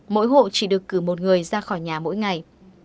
mỗi hộ chỉ được cử một người ra khỏi nhà mỗi ngày